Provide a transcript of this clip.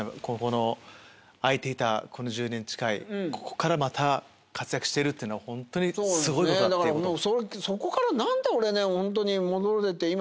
ここの空いていたこの１０年近いここからまた活躍しているっていうのはホントにすごいことだって。